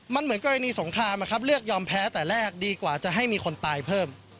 มันเหมือนกรณีสงครามนะครับเลือกยอมแพ้แต่แรกดีกว่าจะให้มีคนตายเพิ่ม